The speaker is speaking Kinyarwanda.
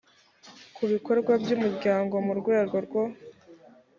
ku bikorwa by umuryango mu rwego rwo